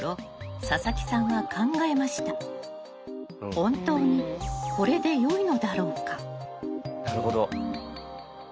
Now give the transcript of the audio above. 本当にこれでよいのだろうか。